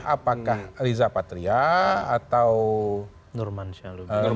termasuk misalnya siapa wakil gubernur dki yang akan terpilih